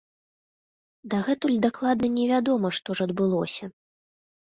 Дагэтуль дакладна невядома, што ж адбылося.